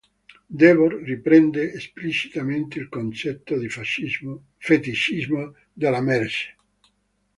Debord riprende esplicitamente il concetto di feticismo della merce.